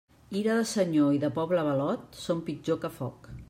Ira de senyor i de poble avalot, són pitjor que foc.